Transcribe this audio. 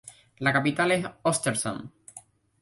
La capital es Östersund.